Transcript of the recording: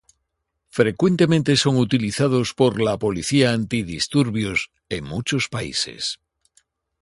Frecuentemente son utilizados por la policía antidisturbios en muchos países.